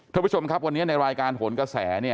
ทุกผู้ชมครับวันนี้ในรายการโผนกระแส